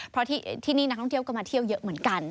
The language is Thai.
เพราะที่นี่นักท่องเที่ยวก็มาเที่ยวเยอะเหมือนกัน